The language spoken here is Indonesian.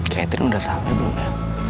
catering udah sampai belum ya